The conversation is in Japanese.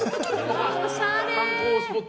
おしゃれ！